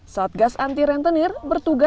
satgas anti rentenir bertugas